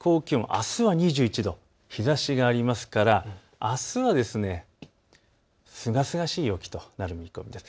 あすは２１度、日ざしがありますから、あすはすがすがしい陽気となる見込みです。